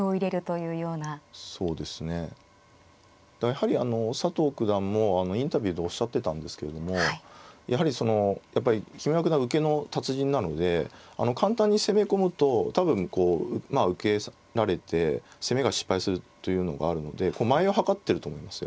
やはり佐藤九段もインタビューでおっしゃってたんですけれどもやはりやっぱり木村九段受けの達人なので簡単に攻め込むと多分こうまあ受けられて攻めが失敗するというのがあるので間合いをはかってると思います